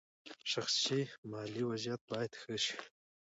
شخصي مالي وضعیت باید ښه شي.